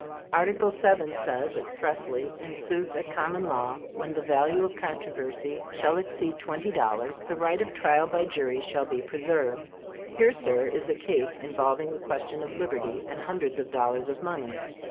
Article VII. says, expressly, in suits at common law, when the value in controversy shall exceed twenty dollars, the right of trial by jury shall be preserved. Here, sir, is a case involving the question of liberty, and hundreds of dollars of money.